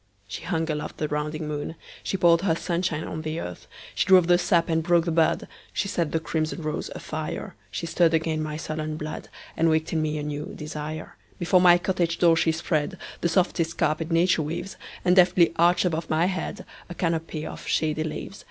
She hung aloft the rounding moon, She poured her sunshine on the earth, She drove the sap and broke the bud, She set the crimson rose afire. She stirred again my sullen blood, And waked in me a new desire. Before my cottage door she spreadThe softest carpet nature weaves, And deftly arched above my headA canopy of shady leaves.